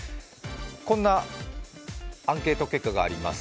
こんなアンケート結果があります。